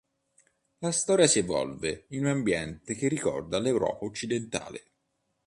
La storia si evolve in un ambiente che ricorda l'Europa occidentale.